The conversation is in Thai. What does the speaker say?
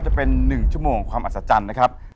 จะเป็น๑ชั่วโมงความอัศจรรย์นะครับ